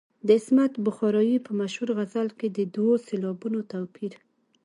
د عصمت بخارايي په مشهور غزل کې د دوو سېلابونو توپیر.